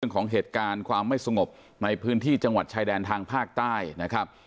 ของเหตุการณ์ความไม่สงบในพื้นที่จังหวัดชายแดนทางภาคใต้นะครับ